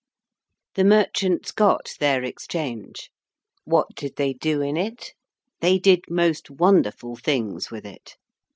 The merchants got their Exchange. What did they do in it? They did most wonderful things with it.